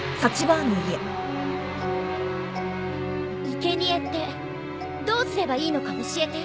いけにえってどうすればいいのか教えて。